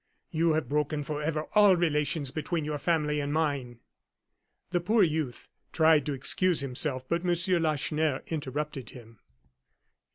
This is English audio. You have broken forever all relations between your family and mine." The poor youth tried to excuse himself, but M. Lacheneur interrupted him.